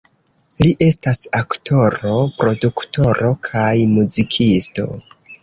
Li estas aktoro, produktoro kaj muzikisto.